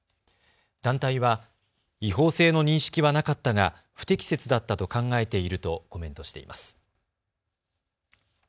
団体は違法性の認識はなかったが不適切だったと考えているとコメントしています。